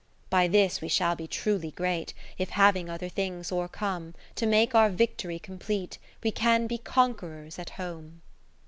V By this we shall be truly great, If having other things o'ercome, To make our victory complete 19 We can be conquerors at home.